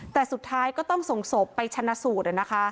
แต่สุดท้ายก็ต้องส่งศพไปชนะสูตร